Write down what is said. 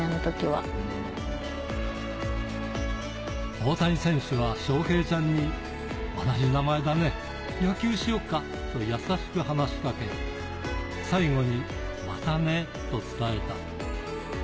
大谷選手は翔平ちゃんに、同じ名前だね、野球しよっか？と優しく話しかけ、最後に、またねと伝えた。